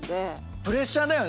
プレッシャーだよね？